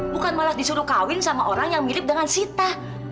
bukan malah disuruh kawin sama orang yang mirip dengan sita